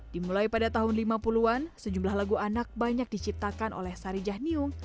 dimulai pada tahun lima puluh an sejumlah lagu anak banyak diciptakan oleh sari jahniung